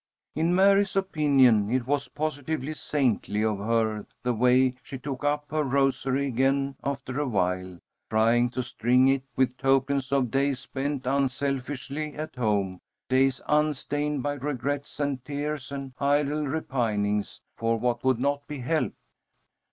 In Mary's opinion it was positively saintly of her the way she took up her rosary again after awhile, trying to string it with tokens of days spent unselfishly at home; days unstained by regrets and tears and idle repinings for what could not be helped.